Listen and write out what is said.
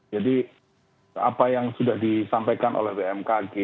jadi apa yang sudah disampaikan oleh bmkg